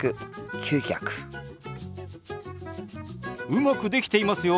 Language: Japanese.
うまくできていますよ